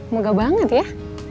moga banget ya